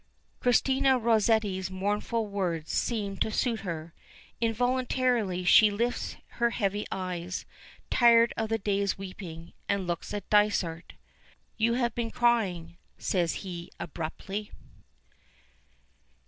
Christina Rosetti's mournful words seem to suit her. Involuntarily she lifts her heavy eyes, tired of the day's weeping, and looks at Dysart. "You have been crying," says he abruptly.